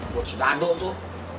buat si dado tuh